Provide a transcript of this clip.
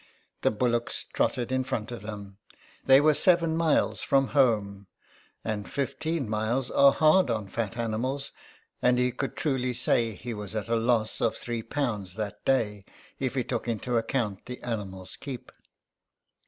The bullocks trotted in front of them. They were seven miles from home, and fifteen miles are hard on fat animals, and he could truly say he was at a loss of three pounds that day if he took into account the animals' keep.